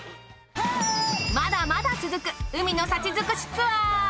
まだまだ続く海の幸づくしツアー。